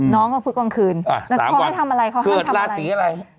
น้องก็พุฒกังคืน๓วันเขาไม่ทำอะไรเขาให้ทำอะไรเกิดลาศีอะไร